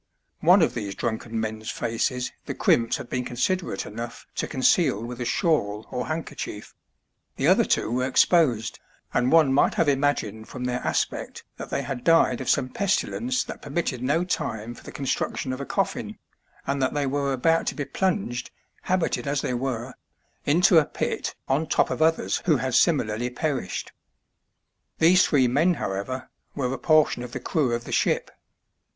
One of these drunken men's faces the crimps had been considerate enough to conceal with a shawl or handkerchief ; the other two were exposed, and one might have imagined from their aspect that they had died of some pestilence that permitted no time for the construction of a coffin, and that they were about to be plunged, habited as they were, into a pit on top of others who had similarly perished. These three men, however, were a portion of the crew of the ship.